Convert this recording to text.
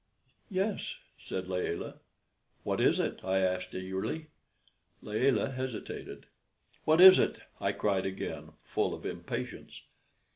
"Yes," said Layelah. "What is it?" I asked, eagerly. Layelah hesitated. "What is it?" I cried again, full of impatience.